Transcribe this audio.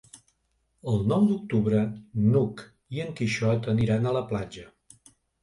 El nou d'octubre n'Hug i en Quixot aniran a la platja.